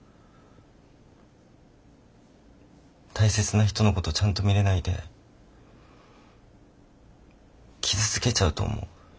大切な人のことをちゃんと見れないで傷つけちゃうと思う。